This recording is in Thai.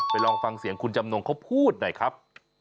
ลองฟังเสียงคุณจำนงเขาพูดหน่อยครับ